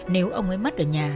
nếu ông ấy mất ở nhà